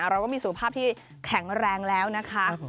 เราก็มีสุขภาพที่แข็งแรงแล้วนะคะ